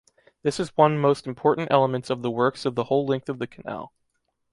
This is one most important elements of the works of the whole length of the canal.